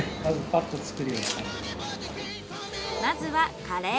まずはカレー。